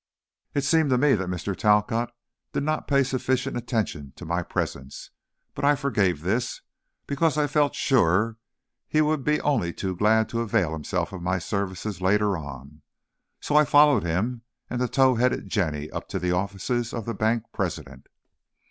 It seemed to me that Mr. Talcott did not pay sufficient attention to my presence, but I forgave this, because I felt sure he would be only too glad to avail himself of my services later on. So I followed him and the tow headed Jenny up to the offices of the bank president.